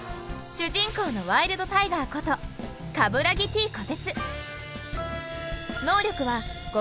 主人公のワイルドタイガーこと鏑木・Ｔ・虎徹。